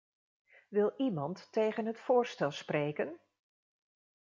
Wil iemand tegen het voorstel spreken?